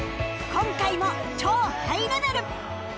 今回も超ハイレベル！